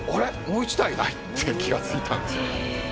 もう１台ない！って気が付いたんですよね。